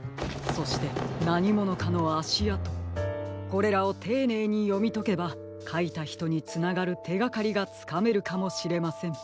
これらをていねいによみとけばかいたひとにつながるてがかりがつかめるかもしれません。